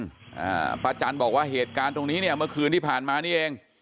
อ่าป้าจันบอกว่าเหตุการณ์ตรงนี้เนี่ยเมื่อคืนที่ผ่านมานี่เอง